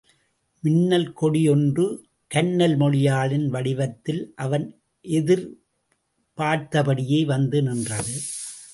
மின்னல் கொடி ஒன்று கன்னல் மொழியாளின் வடிவத்தில் அவன் எதிர்பார்த்தபடியே வந்து நின்றது.